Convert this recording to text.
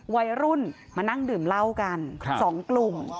วัยรุ่นมานั่งดื่มเหล้ากัน๒กลุ่ม